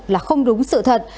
là không đúng sự thật